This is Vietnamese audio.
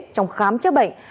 trong khám cho bệnh